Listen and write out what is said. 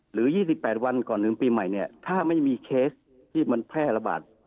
หรือ๒๘วันก่อนถึงปีใหม่เนี่ยถ้าไม่มีเคสที่มันแพร่ระบาด